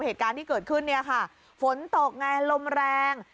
เหตุการณ์ที่เกิดขึ้นเนี่ยค่ะฝนตกไงลมแรง